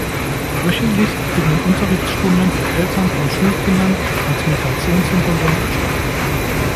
Wöchentlich finden Unterrichtsstunden für Eltern von Schulkindern mit Migrationshintergrund statt.